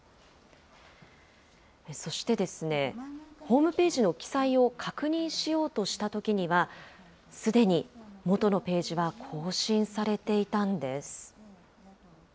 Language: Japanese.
そして、ホームページの記載を確認しようとしたときには、すでに元のページは更新されていたんです。